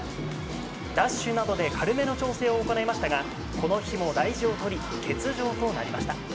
ダッシュなどで軽めの調整を行いましたがこの日も大事を取り欠場となりました。